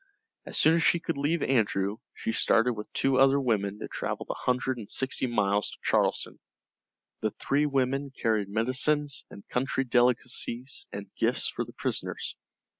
As soon as she could leave Andrew, she started with two other women to travel the hundred and sixty miles to Charleston. The three women carried medicines and country delicacies and gifts for the prisoners.